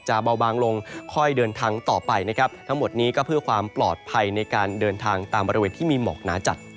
เบาบางลงค่อยเดินทางต่อไปนะครับทั้งหมดนี้ก็เพื่อความปลอดภัยในการเดินทางตามบริเวณที่มีหมอกหนาจัด